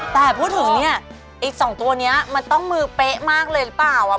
แต่พูดถึงเนี่ยอีกสองตัวนี้มันต้องมือเป๊ะมากเลยหรือเปล่าอ่ะ